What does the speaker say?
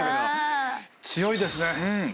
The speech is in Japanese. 強いですね。